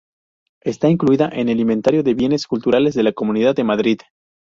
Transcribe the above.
Está incluida en el Inventario de Bienes Culturales de la Comunidad de Madrid.